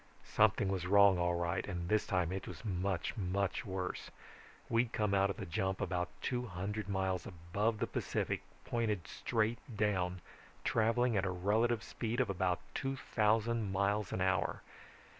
Something was wrong all right, and this time it was much, much worse. We'd come out of the jump about two hundred miles above the Pacific, pointed straight down, traveling at a relative speed of about two thousand miles an hour.